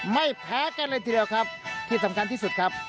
ไม่แพ้กันเลยทีเดียวครับที่สำคัญที่สุดครับ